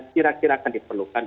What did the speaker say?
kira kira akan diperlukan